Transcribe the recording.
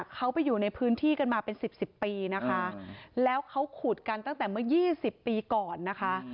เขาไปอยู่ในพื้นที่กันมาเป็นสิบสิบปีนะคะแล้วเขาขุดกันตั้งแต่เมื่อ๒๐ปีก่อนนะคะ